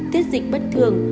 tiết dịch bất thường